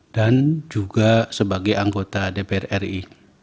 dan juga sebagai anggota dpr ri